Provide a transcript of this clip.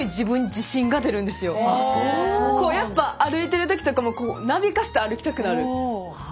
こうやっぱ歩いてる時とかもなびかせて歩きたくなる。